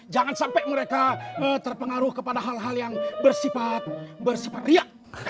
jangan sampai mereka terpengaruh kepada hal hal yang bersifat berseperiak